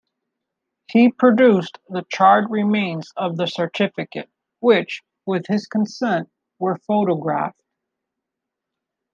He produced the charred remains of the certificate, which, with his consent, were photographed.